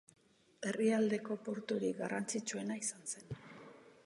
Herrialdeko porturik garrantzitsuena izan zen.